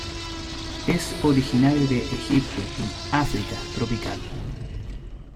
Es originario de Egipto y África tropical.